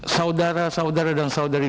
saudara saudara dan saudari